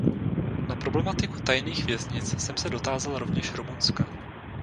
Na problematiku tajných věznic jsem se dotázal rovněž Rumunska.